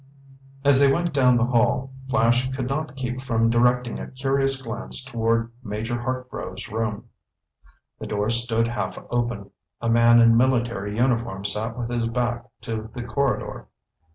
As they went down the hall, Flash could not keep from directing a curious glance toward Major Hartgrove's room. The door stood half open. A man in military uniform sat with his back to the corridor.